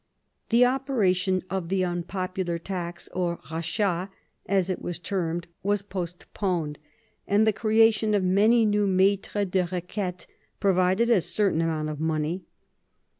The operation of the unpopular tax, or rachat, as it was termed, was postponed, and the creation of many new mattres de requites provided a certain amount of money.